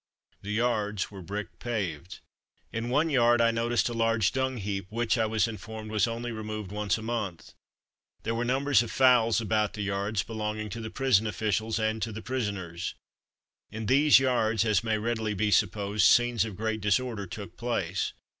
The yards were brick paved. In one yard I noticed a large dung heap, which, I was informed, was only removed once a month. There were numbers of fowls about the yard, belonging to the prison officials and to the prisoners. In these yards, as may readily be supposed, scenes of great disorder took place.